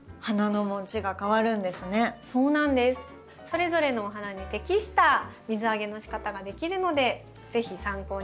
それぞれのお花に適した水あげのしかたができるので是非参考にしてみて下さい。